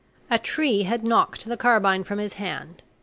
A tree had knocked the carbine from his hand.